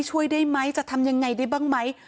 ช่วยได้ไหมจะทำยังไงได้บ้างไหม